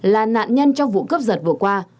là nạn nhân trong vụ cướp giật vừa qua